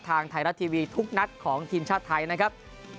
ทางไทยรัฐทีวีทุกนัดของทีมชาติไทยนะครับ